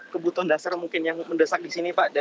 kebutuhan dasar mungkin yang mendesak di sini pak